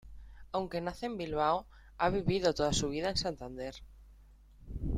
Aunque nace en Bilbao, ha vivido toda su vida en Santander.